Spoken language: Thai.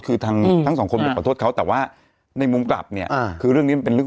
คือทางทั้งสองคนไปขอโทษเขาแต่ว่าในมุมกลับเนี่ยคือเรื่องนี้มันเป็นเรื่อง